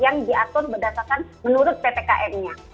yang diatur berdasarkan menurut ppkm nya